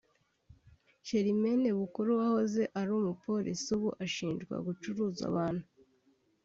Germaine Bukuru wahoze ari umupolisi ubu ushinjwa gucuruza abantu